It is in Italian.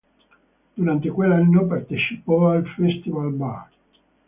Durante quell'anno partecipò al Festivalbar.